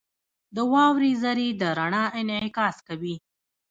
• د واورې ذرې د رڼا انعکاس کوي.